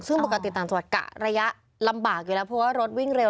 ซึ่งปกติต่างจังหวัดกะระยะลำบากอยู่แล้วเพราะว่ารถวิ่งเร็ว